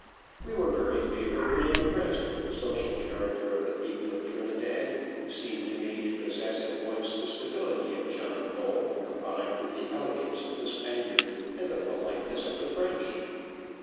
We were very favourably impressed with the social character of the people of Trinidad, who seem to me to possess at once the stability of John Bull, combined with the elegance of the Spaniard and the politeness of the French.